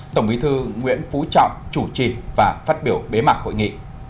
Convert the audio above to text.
tổng bí thư nguyễn phú trọng chủ trì và phát biểu bế mạc hội nghị